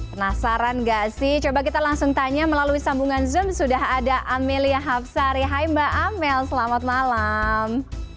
penasaran gak sih coba kita langsung tanya melalui sambungan zoom sudah ada amelia hapsari hai mbak amel selamat malam